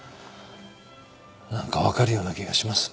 何か分かるような気がします。